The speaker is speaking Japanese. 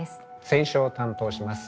選書を担当します